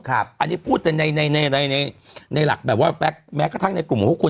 อันนี้พูดแต่ในหลักแบบว่าแม้กระทั่งในกลุ่มของพวกคุณ